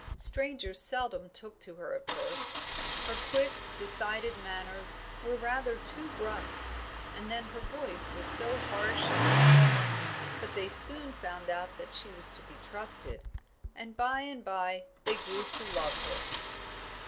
Strangers seldom took to her at first her quick, decided manners were rather too brusque, and then her voice was so harsh and deep; but they soon found out that she was to be trusted, and by and by they grew to love her.